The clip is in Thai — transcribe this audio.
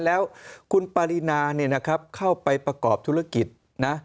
แล้วคุณปรินาเข้าไปประกอบธุรกิจ